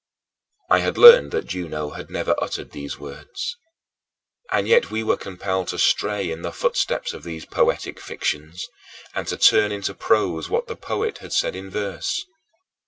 " I had learned that Juno had never uttered these words. Yet we were compelled to stray in the footsteps of these poetic fictions, and to turn into prose what the poet had said in verse.